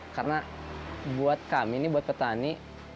karena buat kami ini buat petani